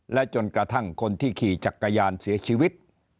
และจนกระทั่งคนที่ขี่จักรยานเสียชีวิต